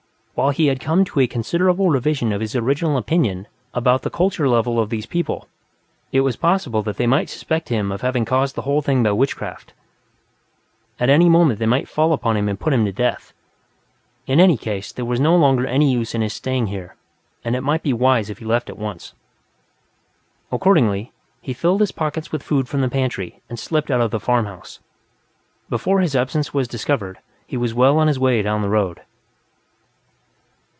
While he had come to a considerable revision of his original opinion about the culture level of these people, it was not impossible that they might suspect him of having caused the whole thing by witchcraft; at any moment, they might fall upon him and put him to death. In any case, there was no longer any use in his staying here, and it might be wise if he left at once. Accordingly, he filled his pockets with food from the pantry and slipped out of the farmhouse; before his absence was discovered he was well on his way down the road.